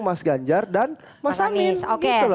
mas ganjar dan mas amin gitu loh